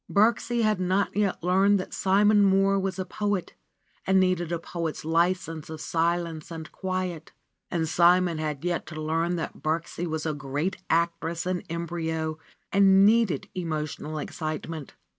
Birksie had not yet learned that Simon Mohr was a poet and needed a poet's license of silence and quiet, and Simon had yet to learn that Birksie was a great actress in embryo and needed emotional excitement.